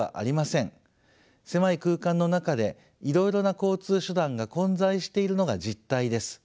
狭い空間の中でいろいろな交通手段が混在しているのが実態です。